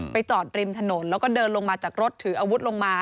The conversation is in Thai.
จอดริมถนนแล้วก็เดินลงมาจากรถถืออาวุธลงมา